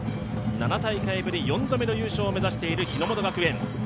７大会ぶり４度目の優勝を目指している日ノ本学園。